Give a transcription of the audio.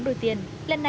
đây tiền thật mà